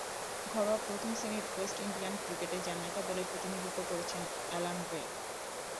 ঘরোয়া প্রথম-শ্রেণীর West Indian ক্রিকেটে জ্যামাইকা দলের প্রতিনিধিত্ব করেছেন অ্যালান রে।